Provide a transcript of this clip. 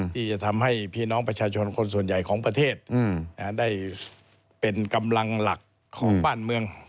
ที่จะทำให้พี่น้องประชาชนคนส่วนใหญ่ของประเทศได้เป็นกำลังหลักของบ้านเมือง